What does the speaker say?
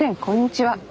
こんにちは。